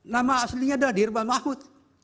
nama aslinya adalah dhirban mahmud